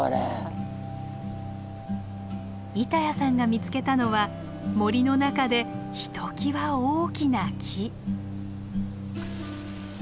板谷さんが見つけたのは森の中でひときわ大きな木。